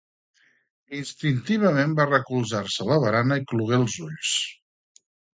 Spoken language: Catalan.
Instintivament va recolzar-se a la barana i clogué els ulls.